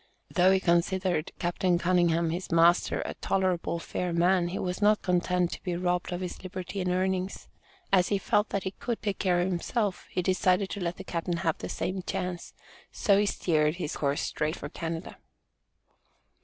Though he considered Captain Cunningham, his master, a "tolerable fair man," he was not content to be robbed of his liberty and earnings. As he felt that he "could take care of himself," he decided to let the Captain have the same chance and so he steered his course straight for Canada.